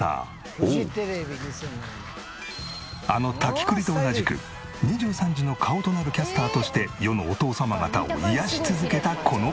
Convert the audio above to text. あの滝クリと同じく２３時の顔となるキャスターとして世のお父様方を癒やし続けたこの方。